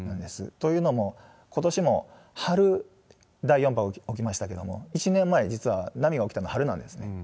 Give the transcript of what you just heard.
というのも、ことしも春、第４波が起きましたけれども、１年前、実は波が起きたの、春なんですね。